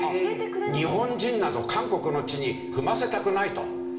日本人など韓国の地に踏ませたくないと。